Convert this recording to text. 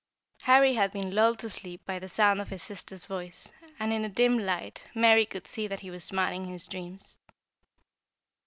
Harry had been lulled to sleep by the sound of his sister's voice, and in the dim light Mary could see that he was smiling in his dreams.